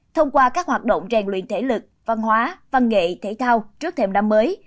thông qua các hoạt động rèn luyện thể lực văn hóa văn nghệ thể thao trước thềm năm mới